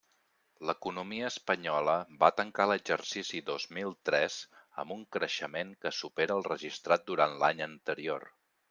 L'economia espanyola va tancar l'exercici dos mil tres amb un creixement que supera el registrat durant l'any anterior.